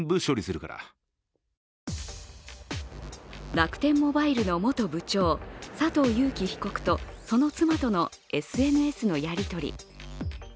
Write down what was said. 楽天モバイルの元部長、佐藤友紀被告とその妻とのＳＮＳのやり取り。